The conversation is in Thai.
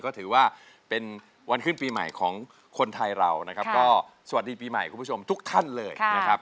ก็ถือว่าเป็นวันขึ้นปีใหม่ของคนไทยเรานะครับก็สวัสดีปีใหม่คุณผู้ชมทุกท่านเลยนะครับ